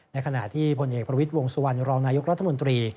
ในขณะที่พลเอกประวิทย์วงสุวรรณรองนายกรัฐมนตรี